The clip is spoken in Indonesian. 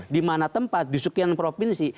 di mana tempat di sekian provinsi